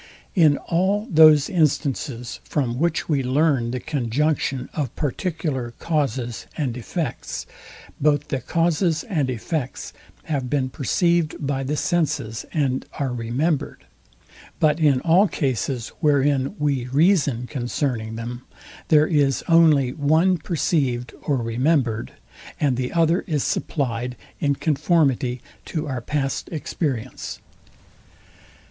In all those instances, from which we learn the conjunction of particular causes and effects, both the causes and effects have been perceived by the senses, and are remembered. But in all cases, wherein we reason concerning them, there is only one perceived or remembered, and the other is supplyed in conformity to our past experience.